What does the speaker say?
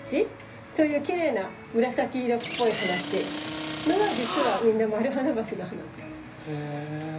こういうきれいな紫色っぽい花ってのはじつはみんなマルハナバチの花なの。へ。